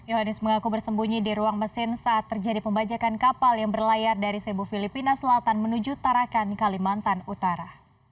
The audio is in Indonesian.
yohanis mengaku bersembunyi di ruang mesin saat terjadi pembajakan kapal yang berlayar dari sebu filipina selatan menuju tarakan kalimantan utara